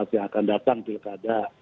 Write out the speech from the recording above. yang akan datang pilkada